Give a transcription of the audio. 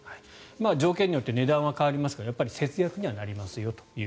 条件によって値段は変わりますが節約にはなりますよと。